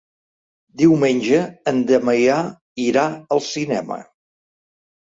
Diumenge en Damià irà al cinema.